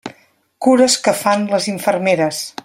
Cures que fan les infermeres.